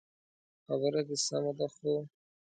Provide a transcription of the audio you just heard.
خبره دي سمه ده خو